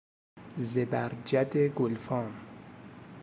زبرجد گلفام